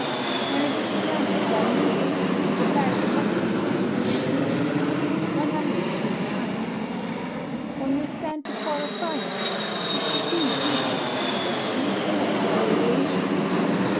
_ When it is surrounded by a medium which is a bad conductor. 185. _When we stand before a fire, does the heat reach us by conduction or by radiation?